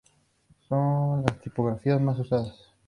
Son las tipografías más usadas.